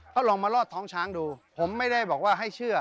ก็ลองมารอดท้องช้างดูผมไม่ได้บอกว่าให้เชื่อ